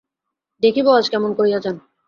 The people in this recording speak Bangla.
দেখিব আজ কেমন করিয়া যান।